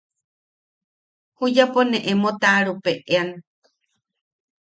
Juyapo ne emo taʼarupeʼean.